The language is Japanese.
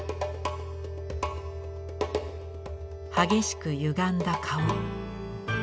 激しくゆがんだ顔。